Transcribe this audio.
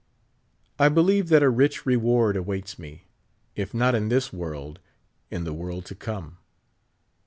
I believe that a rich reward awaits me. if not in this world, in the world to come.